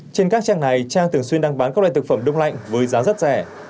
trên các trang này trang thường xuyên đang bán các loại thực phẩm đông lạnh với giá rất rẻ